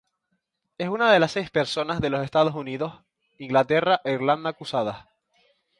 Es una de las seis personas de los Estados Unidos, Inglaterra e Irlanda acusadas.